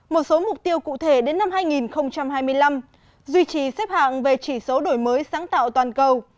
một số mục tiêu cụ thể đến năm hai nghìn hai mươi năm duy trì xếp hạng về chỉ số đổi mới sáng tạo toàn cầu